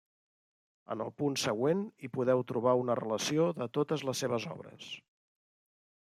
En el punt següent hi podeu trobar una relació de totes les seves obres.